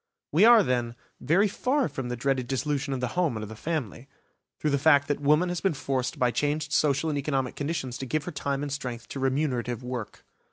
We are, then, very far from the dreaded dissolution of the home and of the family, through the fact that woman has been forced by changed social and economic conditions to give her time and strength to remunerative work.